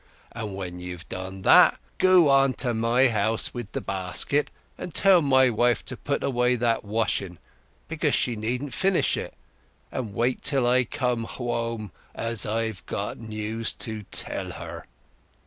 And when you've done that goo on to my house with the basket, and tell my wife to put away that washing, because she needn't finish it, and wait till I come hwome, as I've news to tell her."